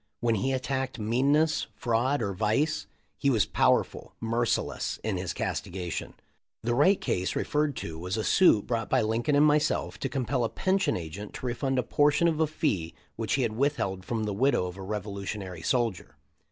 WTien he attacked meanness, fraud, or vice, he was powerful, merciless in his castigation." The Wright case referred to was a suit brought by Lincoln and myself to compel a pension agent to refund a por tion of a fee which he had withheld from the widow of a revolutionary soldier.